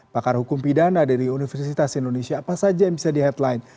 pakar hukum pidana dari universitas indonesia apa saja yang bisa di headline